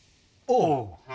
おう。